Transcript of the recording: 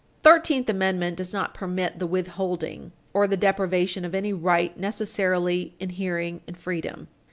The Thirteenth Amendment does not permit the withholding or the deprivation of any right necessarily inhering in freedom.